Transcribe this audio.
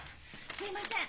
すいません！